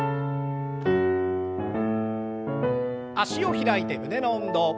脚を開いて胸の運動。